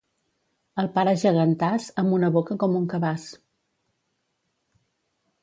El pare gegantàs, amb una boca com un cabàs.